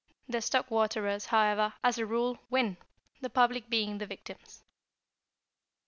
The stock waterers, however, as a rule, win, the public being the victims.